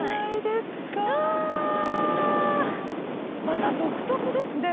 また独特ですね